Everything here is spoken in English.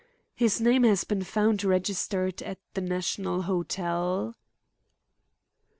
"His name has been found registered at the National Hotel."